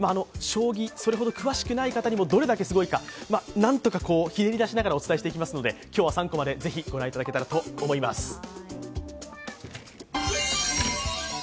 将棋、それほど詳しくない方にもどれだけすごいか何とかひねり出しながらお伝えしていきますので今日は３コマでぜひ御覧いただけたらと思います。